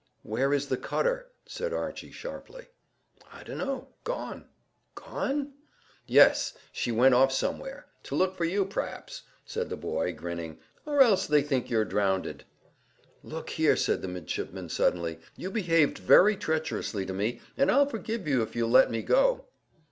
"Where is the cutter?" said Archy sharply. "I d'know. Gone." "Gone?" "Yes, she went off somewhere. To look for you, pr'aps," said the boy grinning, "or else they think you're drownded." "Look here," said the midshipman suddenly, "you behaved very treacherously to me, but I'll forgive you if you'll let me go."